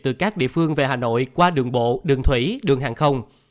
từ các địa phương về hà nội qua đường bộ đường thủy đường hàng không